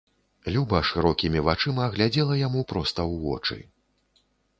Люба шырокімі вачыма глядзела яму проста ў вочы.